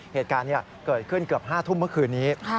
เหตุการณ์เกิดขึ้นเกือบ๕ทุ่มเมื่อคืนนี้